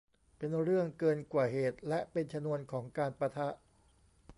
เป็นเรื่องเกินกว่าเหตุ และเป็นชนวนของการปะทะ